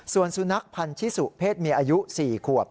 ส่วนสุนัขพันธิสุเพศเมียอายุ๔ขวบ